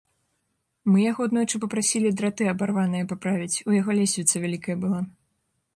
Мы яго аднойчы папрасілі драты абарваныя паправіць, у яго лесвіца вялікая была.